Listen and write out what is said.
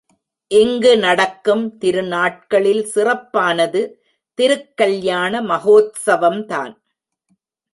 இங்கு நடக்கும் திருநாட்களில் சிறப்பானது திருக் கல்யாண மகோத்சவம்தான்.